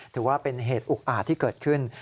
ถือว่าเป็นเหตุอุกอาจที่เกิดขึ้น